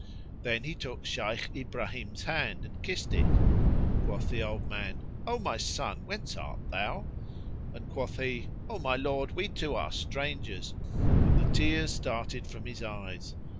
Then he took Shaykh Ibrahim's hand and kissed it. Quoth the old man, "O my son, whence art thou?"; and quoth he, "O my lord, we two are strangers," and the tears started from his eyes.